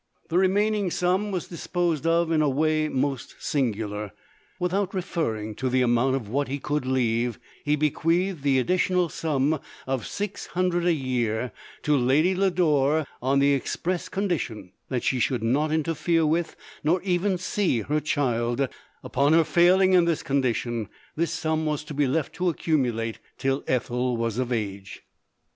The remaining sum was disposed of in a way most singular. Without referring to the amount of what he could leave, he bequeathed the addi tional sum of six hundred a year to Ladv Lo dore, on the express condition, that she should not interfere with, nor even see, her child ; upon her failing in this condition, this sum was to be left to accumulate till Ethel was of age.